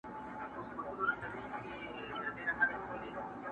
o شرمښ د خدايه څه غواړي، يا باد يا باران٫